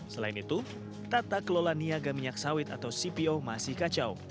selain itu tata kelola niaga minyak sawit atau cpo masih kacau